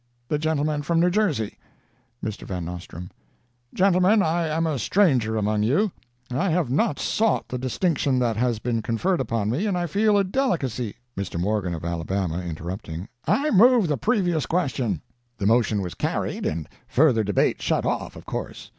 The gentleman from New Jersey ' "MR. VAN NOSTRAND: 'Gentlemen I am a stranger among you; I have not sought the distinction that has been conferred upon me, and I feel a delicacy ' "MR. MORGAN Of Alabama (interrupting): 'I move the previous question.' "The motion was carried, and further debate shut off, of course.